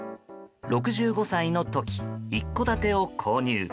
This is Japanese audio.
６５歳の時、一戸建てを購入。